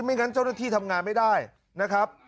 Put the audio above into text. งั้นเจ้าหน้าที่ทำงานไม่ได้นะครับ